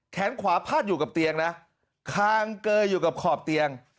ขวาพาดอยู่กับเตียงนะคางเกยอยู่กับขอบเตียง